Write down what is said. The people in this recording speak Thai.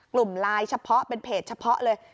กลุ่มไลน์เฉพาะเป็นเพจเฉพาะเลย